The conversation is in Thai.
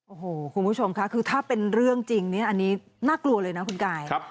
โอ้โหคุณผู้ชมค่ะคือถ้าเป็นเรื่องจริงอันนี้น่ากลัวเลยนะคุณกาย